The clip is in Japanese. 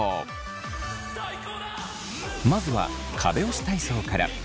まずは壁押し体操から。